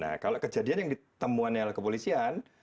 nah kalau kejadian yang ditemuannya kepolisian